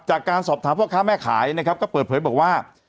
จากการสอบถามพ่อค้าแม่ขายนะครับก็เปิดเผยบอกว่า